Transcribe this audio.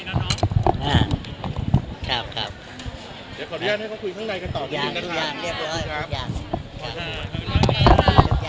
สวัสดีครับ